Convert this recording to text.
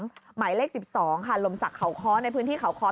ของหมายเลข๑๒ค่ะลมสักเข่าเค้าในพื้นที่เข่าเค้า